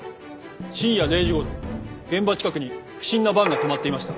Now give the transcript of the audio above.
深夜０時頃現場近くに不審なバンが止まっていました。